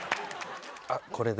あっこれで。